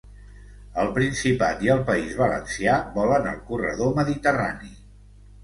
El Principat i el País valencià volen el corredor mediterrani